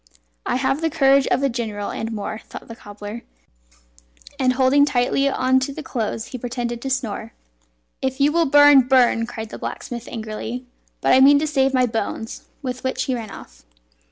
"I have the courage of a general, and more," thought the cobbler; and holding tightly on to the clothes he pretended to snore. "If you will burn, bum!" cried the blacksmith angrily, "but I mean to save my bones" with which he ran off.